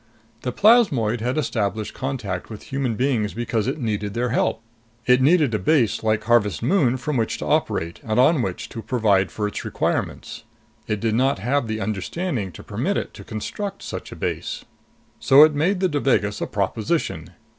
The plasmoid had established contact with human beings because it needed their help. It needed a base like Harvest Moon from which to operate and on which to provide for its requirements. It did not have the understanding to permit it to construct such a base. So it made the Devagas a proposition.